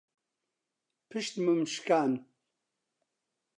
پشتمم شکاند.